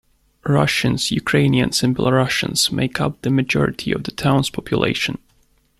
Russians, Ukrainians, and Belarusians make up the majority of the town's population.